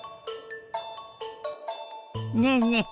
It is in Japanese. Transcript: ねえねえ